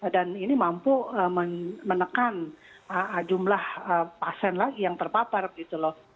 dan ini mampu menekan jumlah pasien lagi yang terpapar gitu loh